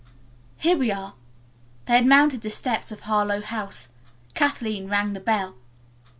"Here we are." They had mounted the steps of Harlowe House. Kathleen rang the bell.